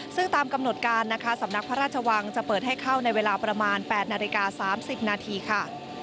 ซึ่งตามกำหนดการนะคะสำนักพระราชวังจะเปิดให้เข้าในเวลาประมาณ๘นาฬิกา๓๐นาทีค่ะ